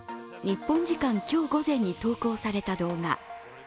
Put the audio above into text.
日本時間今日午前に投稿された動画。